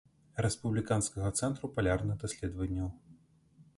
Рэспубліканскага цэнтру палярных даследаванняў.